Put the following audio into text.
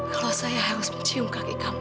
kalau saya harus mencium kaki kami